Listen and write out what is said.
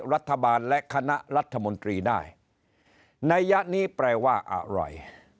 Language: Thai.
รัฐบาลและคณะรัฐมนตรีได้ในยะนี้แปลว่าอะไร